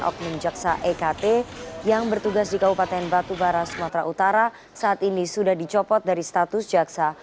oknum jaksa ekt yang bertugas di kabupaten batubara sumatera utara saat ini sudah dicopot dari status jaksa